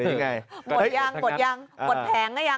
หมดยังหมดยังหมดแผงแล้วยัง